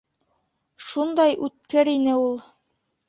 Шундай үткер ине ул!